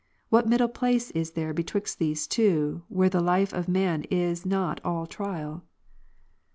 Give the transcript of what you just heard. W^hat middle place is there betwixt these two, where the life of man is not all trial